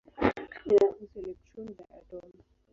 Inahusu elektroni za atomu.